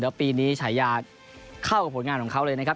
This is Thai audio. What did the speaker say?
แล้วปีนี้ฉายาเข้ากับผลงานของเขาเลยนะครับ